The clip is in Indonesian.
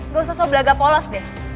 gak usah sobel agak polos deh